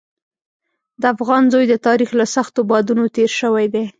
د افغان زوی د تاریخ له سختو بادونو تېر شوی دی.